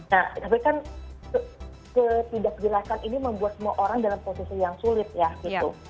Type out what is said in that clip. nah tapi kan ketidakjelasan ini membuat semua orang dalam posisi yang sulit ya gitu